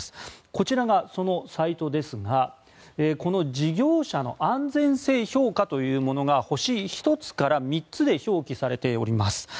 こちらがそのサイトですがこの事業者の安全性評価というものが星１つから３つで表記されております。